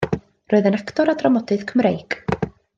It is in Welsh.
Roedd yn actor a dramodydd Cymreig.